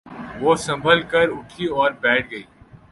وہ سنبھل کر اٹھی اور بیٹھ گئی۔